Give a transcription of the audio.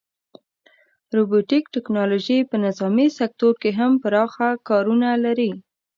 روبوټیک ټیکنالوژي په نظامي سکتور کې هم پراخه کارونه لري.